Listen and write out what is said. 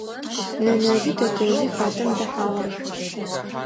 Нэнэжъи тэтэжъи хатэм дэхьагъэх.